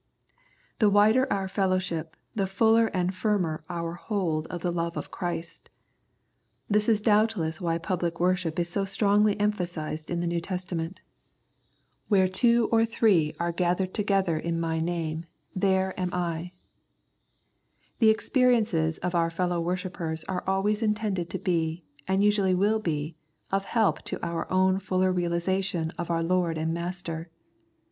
The wider our fellowship the fuller and firmer our hold of the love of Christ. This is doubtless why pubHc worship is so strongly emphasised in the New Testament. " Where two or three are gathered together 120 Strength and Indwelling in My Name, there am I." The experiences of our fellow worshippers are always intended to be, and usually will be, of help to our own fuller realisation of our Lord and Master.